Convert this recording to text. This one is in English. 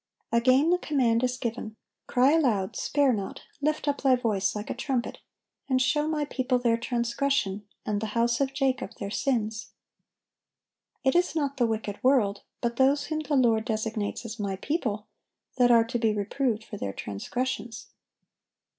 (764) Again, the command is given, "Cry aloud, spare not, lift up thy voice like a trumpet, and show My people their transgression, and the house of Jacob their sins." It is not the wicked world, but those whom the Lord designates as "My people," that are to be reproved for their transgressions.